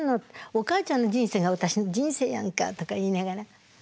おかあちゃんの人生が私の人生やんか」とか言いながら。